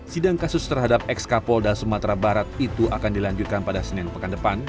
sidang kasus terhadap ex kapolda sumatera barat itu akan dilanjutkan pada senin pekan depan